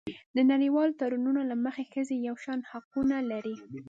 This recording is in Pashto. د نړیوالو تړونونو له مخې ښځې یو شان حقونه لري.